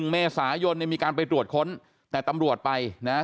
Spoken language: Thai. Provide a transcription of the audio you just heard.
๑เมษายนทมีการไปตรวจค้นแต่ตำรวจไปนะครับ